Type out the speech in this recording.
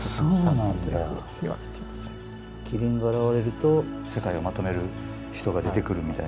麒麟が現れると世界をまとめる人が出てくるみたいなね。